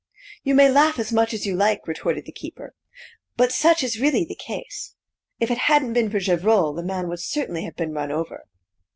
"You may laugh as much as you like," retorted the keeper, "but such is really the case; if it hadn't been for Gevrol the man would certainly have been run over."